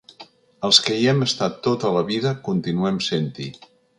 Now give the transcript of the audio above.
Els que hi hem estat tota la vida, continuem sent-hi.